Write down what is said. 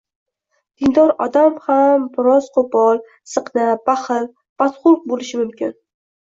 Dindor odam ham qo‘pol, ziqna, baxil, badxulq bo‘lishi mumkin.